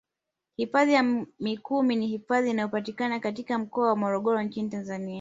Hifadhi ya mikumi ni hifadhi inayopatikana katika mkoa wa morogoro nchini Tanzania